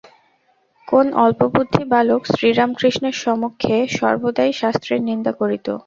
কোন অল্পবুদ্ধি বালক, শ্রীরামকৃষ্ণের সমক্ষে সর্বদাই শাস্ত্রের নিন্দা করিত।